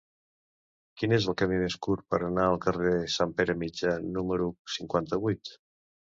Quin és el camí més curt per anar al carrer de Sant Pere Mitjà número cinquanta-vuit?